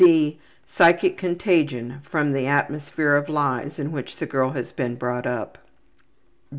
(c) Psychic contagion from the atmosphere of lies in which the girl has been brought up.